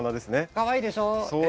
かわいいでしょう？ええ。